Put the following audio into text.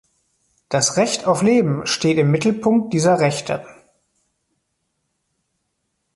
Das Recht auf Leben steht im Mittelpunkt dieser Rechte.